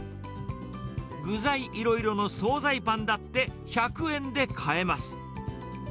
具材いろいろの総菜パンだって、１００円で買えます。